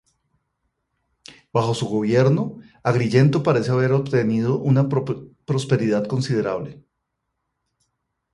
Bajo su gobierno, Agrigento parece haber obtenido una prosperidad considerable.